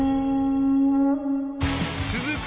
続く